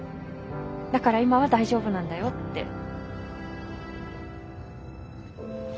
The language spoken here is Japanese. だから今は大丈夫なんだよって。